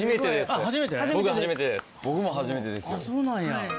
あっそうなんや。